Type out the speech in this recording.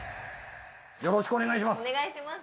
よろしくお願いします。